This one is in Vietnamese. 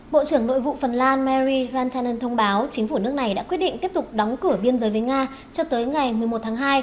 bộ trưởng nội vụ phần lan mary rantanen thông báo chính phủ nước này đã quyết định tiếp tục đóng cửa biên giới với nga cho tới ngày một mươi một tháng hai